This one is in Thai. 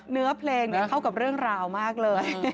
เนื้อเพลงเข้ากับเรื่องราวมากเลย